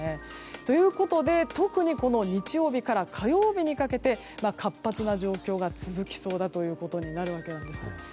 ということで特に日曜日から火曜日にかけて活発な状況が続きそうだということになるわけなんです。